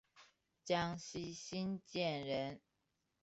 江西新建人。